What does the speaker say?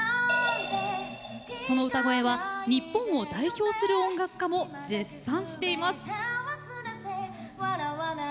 その歌声は日本を代表する音楽家も絶賛しています。